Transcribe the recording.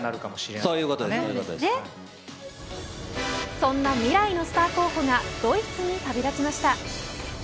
そんな未来のスター候補がドイツに旅立ちました。